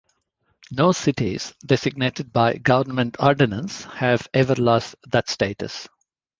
No cities designated by government ordinance have ever lost that status.